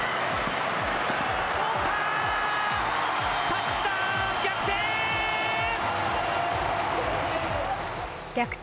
タッチだ、逆転。